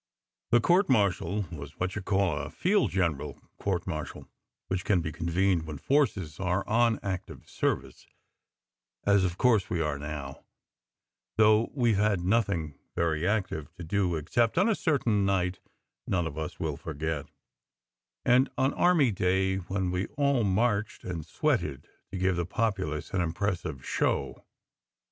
"The court martial was what you call a field general court martial/ which can be convened when forces are on active service, as of course we are now (though we ve had nothing very active to do, except on a certain night none of us will forget, and on Army Day when we all marched and sweated to give the populace an impressive show)